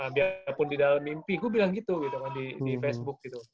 biarpun di dalam mimpi gue bilang gitu gitu kan di facebook gitu